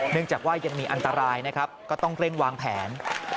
จากว่ายังมีอันตรายนะครับก็ต้องเร่งวางแผน